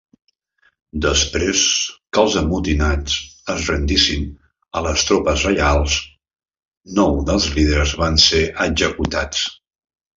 Després que els amotinats es rendissin a les tropes lleials, nou dels líders van ser executats.